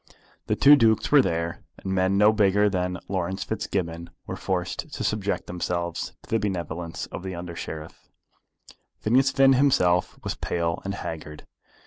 The two Dukes were there, and men no bigger than Laurence Fitzgibbon were forced to subject themselves to the benevolence of the Under Sheriff. Phineas himself was pale and haggard.